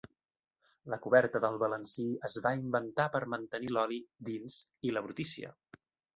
La coberta del balancí es va inventar per mantenir l'oli dins i la brutícia.